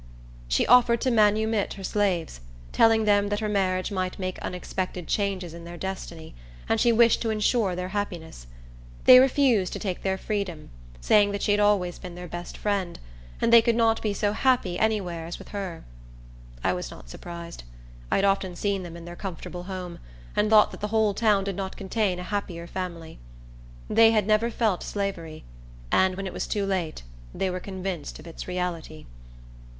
She offered to manumit her slaves—telling them that her marriage might make unexpected changes in their destiny, and she wished to insure their happiness. They refused to take their freedom, saying that she had always been their best friend, and they could not be so happy any where as with her. I was not surprised. I had often seen them in their comfortable home, and thought that the whole town did not contain a happier family. They had never felt slavery; and, when it was too late, they were convinced of its reality.